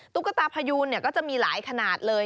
ตุ๊กตาพยูนก็จะมีหลายขนาดเลย